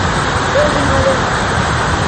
Бер бүлмәле!